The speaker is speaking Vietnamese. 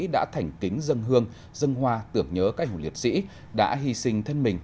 đã thành kính dân hương dân hoa tưởng nhớ các hùng liệt sĩ đã hy sinh thân mình